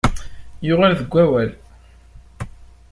Yuɣal deg wawal.